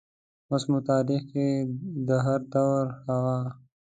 اوس مو تاریخ کې د هردور حوا